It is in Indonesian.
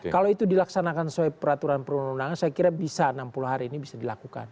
kalau itu dilaksanakan sesuai peraturan perundang undangan saya kira bisa enam puluh hari ini bisa dilakukan